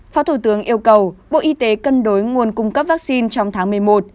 phó thủ tướng yêu cầu bộ y tế cân đối nguồn cung cấp vaccine trong tháng một mươi một một mươi hai hai nghìn hai mươi một